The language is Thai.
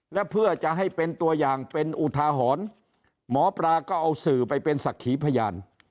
และเพื่อจะให้เป็นตัวอย่างเป็นอุทาหรณ์หมอปลาก็เอาสื่อไปเป็นศักดิ์ขีพยาน